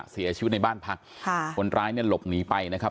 เสียชีวิตในบ้านพักค่ะคนร้ายเนี่ยหลบหนีไปนะครับ